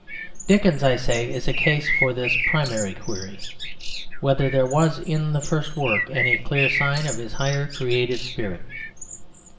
Dickens, I say, is a case for this primary query: whether there was in the first work any clear sign of his higher creative spirit.